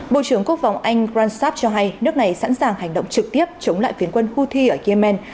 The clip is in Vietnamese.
bộ trưởng quốc phòng anh grant sáp cho hay nước này sẵn sàng hành động trực tiếp chống lại phiến quân houthi ở yemen